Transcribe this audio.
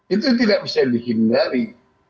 itu tidak bisa dihindari